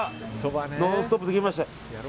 「ノンストップ！」で来ました。